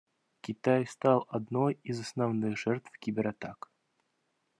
Китай стал одной из основных жертв кибератак.